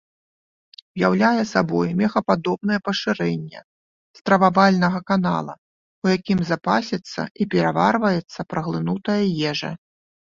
Уяўляе сабой мехападобнае пашырэнне стрававальнага канала, у якім запасіцца і пераварваецца праглынутая ежа.